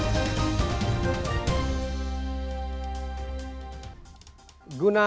tim gabungan dari